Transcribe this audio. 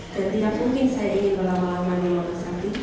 dan tidak mungkin saya ingin melawan laman dengan orang sati